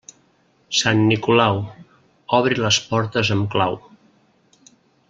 Sant Nicolau, obri les portes amb clau.